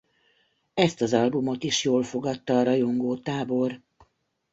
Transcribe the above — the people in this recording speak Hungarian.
Ezt az albumot is jól fogadta a rajongótábor.